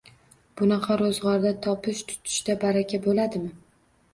Bunaqada ro‘zg‘orda, topish-tutishda baraka bo‘ladimi?!